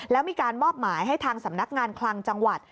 แล้วมีการมอบหมายให้ทางสำนักงานคลังจังหวัด